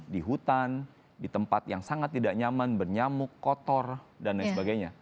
di hutan di tempat yang sangat tidak nyaman bernyamuk kotor dan lain sebagainya